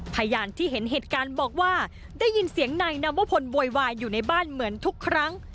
พยานที่เห็นเหตุการณ์บอกว่าได้ยินเสียงนายนวพลโวยวายอยู่ในบ้านเหมือนทุกครั้ง